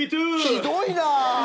ひどいな！